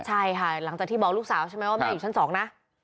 ใช่ค่ะหลังจากที่บอกลูกสาวใช่ไหมว่าแม่อยู่ชั้น๒นะ